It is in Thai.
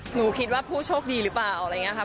หนูคิดว่าผู้โชคดีหรือเปล่าอะไรอย่างนี้ค่ะ